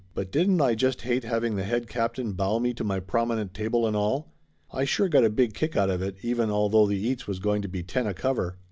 Well, didn't I just hate having the head captain bow me to my prominent table and all? I sure got a big kick out of it, even although the eats was going to be ten a cover.